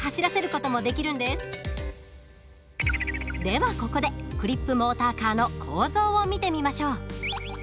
ではここでクリップモーターカーの構造を見てみましょう。